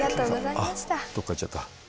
あっどっか行っちゃった。